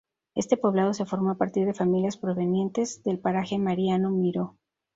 Este poblado se formó a partir de familias provenientes del paraje Mariano Miró.